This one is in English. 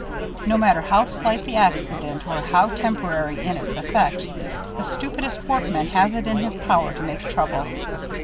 No matter how slight the accident, or how temporary in its effects, the stupidest workman has it in his power to make trouble.